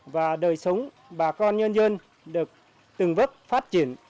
và đời sống bà con nhân dân được từng bước phát triển